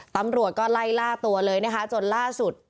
ตำรวจก็ไล่ล่าตัวเลยนะคะจนล่าสุด